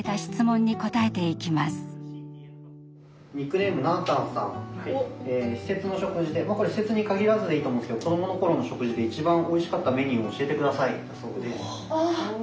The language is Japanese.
これ施設に限らずでいいと思うんですけど「子どもの頃の食事で一番おいしかったメニューを教えて下さい」だそうです。